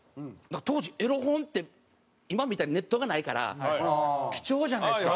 当時エロ本って今みたいにネットがないから貴重じゃないですか。